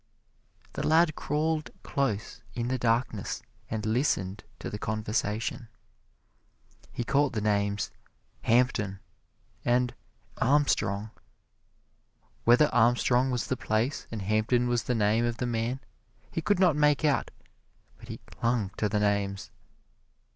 The lad crawled close in the darkness and listened to the conversation. He caught the names "Hampton" and "Armstrong." Whether Armstrong was the place and Hampton was the name of the man, he could not make out, but he clung to the names.